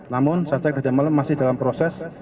namun saya cek tadi malam masih dalam proses